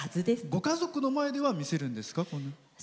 ご家族の前では見せるんですか？